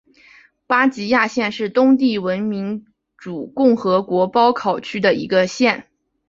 巴吉亚县是东帝汶民主共和国包考区的一个县。